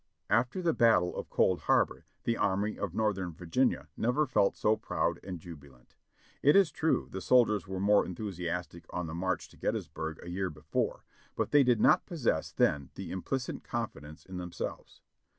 After the Battle of Cold Harbor the Army of Northern Vir ginia never felt so proud and jubilant. It is true the soldiers were more enthusiastic on the march to Gettysburg a year before, but they did not possess then that implicit confidence in them selves.